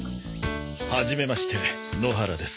はじめまして野原です。